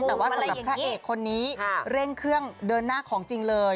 แต่ว่าสำหรับพระเอกคนนี้เร่งเครื่องเดินหน้าของจริงเลย